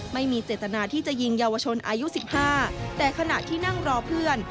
ไม่มีเจตนาที่จะยิงเยาวชนอายุ๑๕แต่ขณะที่นั่งรอเพื่อน